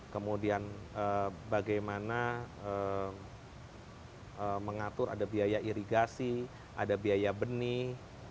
kemudian bagaimana mengatur ada biaya irigasi ada biaya benih